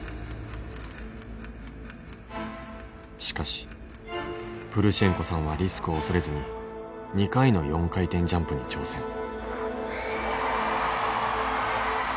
しかしプルシェンコさんはリスクを恐れずに２回の４回転ジャンプに挑戦。